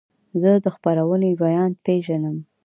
زه د خپرونې ویاند پیژنم.